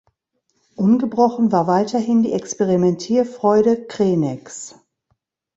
Ungebrochen war weiterhin die Experimentierfreude Kreneks.